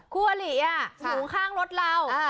คู่อาริอยู่ข้างรถเรา